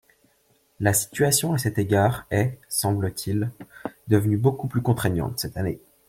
La situation à cet égard est, semble-t-il, devenue beaucoup plus contraignante cette année.